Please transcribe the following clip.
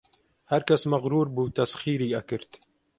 هەرکەس مەغروور بوو تەسخیری ئەکرد